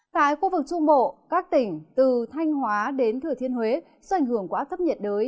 tại khu vực trung bộ các tỉnh từ thanh hóa đến thừa thiên huế do ảnh hưởng của áp thấp nhiệt đới